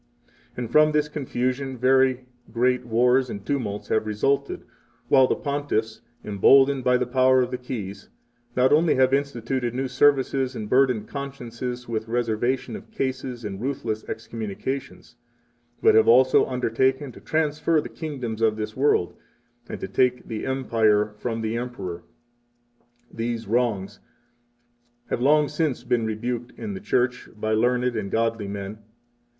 And from this confusion very great wars and tumults have resulted, while the Pontiffs, emboldened by the power of the Keys, not only have instituted new services and burdened consciences with reservation of cases and ruthless excommunications, but have also undertaken to transfer the kingdoms of this world, 3 and to take the Empire from the Emperor. These wrongs have long since been rebuked in the Church 4 by learned and godly men.